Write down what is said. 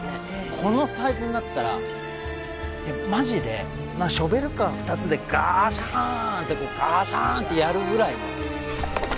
このサイズになったらまじでショベルカー２つでガシャンってこうガシャンってやるぐらいの。